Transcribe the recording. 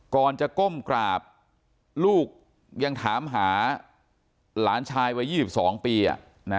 ก่อนจะก้มกราบลูกยังถามหาหลานชายวัย๒๒ปี